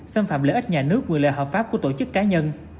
xâm phạm lợi ích nhà nước quyền lợi hợp pháp của tổ chức cá nhân